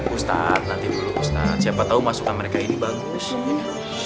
ustaz nanti dulu ustaz siapa tau masukan mereka ini bagus